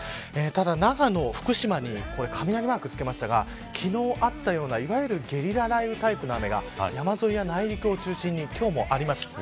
ただ長野、福島に雷マーク付けましたが昨日あったようないわゆるゲリラ雷雨タイプの雨が山沿いや内陸を中心に今日もあります。